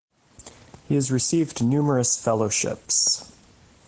He has received numerous fellowships.